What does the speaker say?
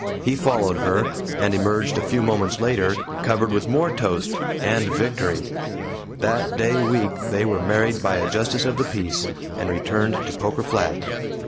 He followed her, and emerged a few moments later, covered with more toast and victory. That day week they were married by a justice of the peace, and returned to Poker Flat.